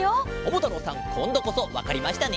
ももたろうさんこんどこそわかりましたね？